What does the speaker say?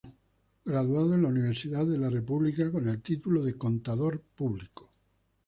Graduado en la Universidad de la República con el título de Contador Público.